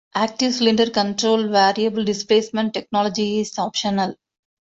Active Cylinder Control variable displacement technology is optional.